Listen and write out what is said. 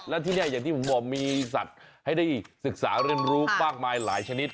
และที่นี่อย่างที่ผมบอกมีสัตว์ให้ได้ศึกษาเรียนรู้มากมายหลายชนิด